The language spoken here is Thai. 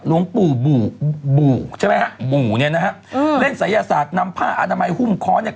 หลวงปู่บู่บู่ใช่ไหมฮะบู่เนี่ยนะฮะอืมเล่นศัยศาสตร์นำผ้าอนามัยหุ้มค้อนเนี่ย